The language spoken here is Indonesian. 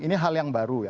ini hal yang baru ya